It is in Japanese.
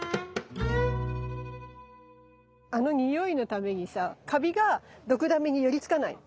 あの匂いのためにさカビがドクダミに寄りつかないの。